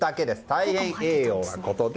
大変名誉なことで。